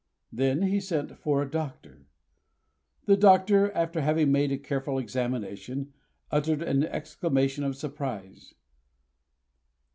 Then he sent for a doctor. The doctor, after having made a careful examination, uttered an exclamation of surprise.